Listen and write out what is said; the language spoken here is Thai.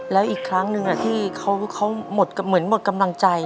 แล้วอีกครั้งหนึ่งที่เขาเหมือนหมดกำลังใจ